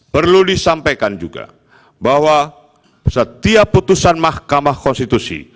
perlu disampaikan juga bahwa setiap putusan mahkamah konstitusi